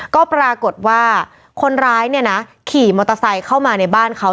ก็ปรากฏว่าคนร้ายเนี่ยนะขี่มอเตอร์ไซค์เข้ามาในบ้านเขา